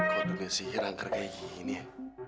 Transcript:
kau dengan sihir angker kayak gini ya